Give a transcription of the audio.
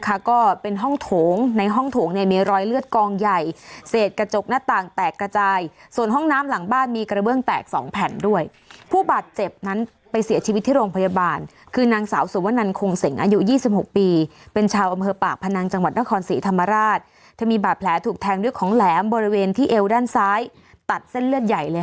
เหตุนั้นนะคะก็เป็นห้องโถงในห้องโถงในมีรอยเลือดกองใหญ่เศษกระจกหน้าต่างแตกกระจายส่วนห้องน้ำหลังบ้านมีกระเบื้องแตกสองแผ่นด้วยผู้บาดเจ็บนั้นไปเสียชีวิตที่โรงพยาบาลคือนางสาวสวนวนันคงเสียงอายุ๒๖ปีเป็นชาวอำเภอปากพนังจังหวัดนครศรีธรรมราชจะมีบาดแผลถูกแทงด้วยของแหลมบริเ